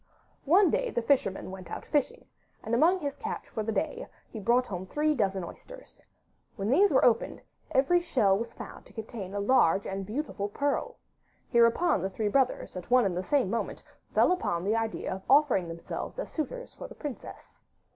One day the fisherman went out fishing, and among his catch for the day he brought home three dozen oysters. When these were opened, every shell was found to contain a large and beautiful pearl. Hereupon the three brothers, at one and the same moment, fell upon the idea of offering themselves as suitors for the princess.